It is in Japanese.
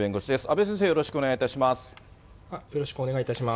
阿部先生、よろしくお願いいたします。